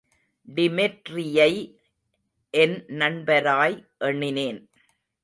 டிமெட்ரியை என் நண்பராய் எண்ணினேன்.